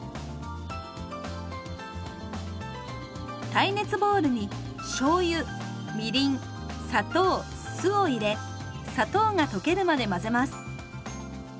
耐熱ボウルにしょうゆみりん砂糖酢を入れ砂糖が溶けるまで混ぜます。